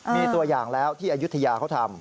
มีตัวอย่างแล้วที่อายุทยาเขาทำ